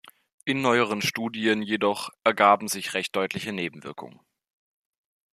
In neueren Studien jedoch ergaben sich recht deutliche Nebenwirkungen.